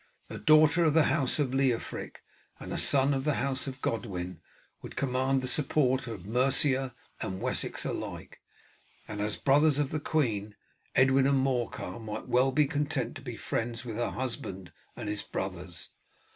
A daughter of the house of Leofric, and a son of the house of Godwin, would command the support of Mercia and Wessex alike, and as brothers of the queen, Edwin and Morcar might well be content to be friends with her husband and his brothers.